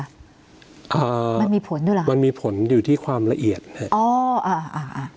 อ่ามันมีผลด้วยเหรอมันมีผลอยู่ที่ความละเอียดฮะอ๋ออ่าอ่า